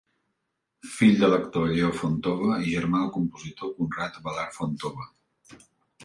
Fill de l'actor Lleó Fontova i germà del compositor Conrad Abelard Fontova.